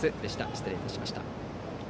失礼いたしました。